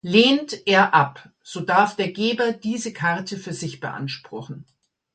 Lehnt er ab, so darf der Geber diese Karte für sich beanspruchen.